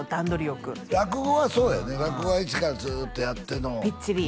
よく落語はそうやね落語は１からずっとやってのびっちり？